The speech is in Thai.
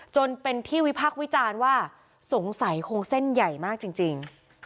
จนเป็นที่วิพักษ์วิจารณ์ว่าสงสัยคงเส้นใหญ่มากจริง